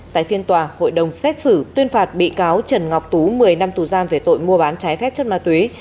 tại phiên tòa hội đồng xét xử tuyên phạt bị cáo trần ngọc tú một mươi năm tù giam về tội mua bán trái phép chất ma túy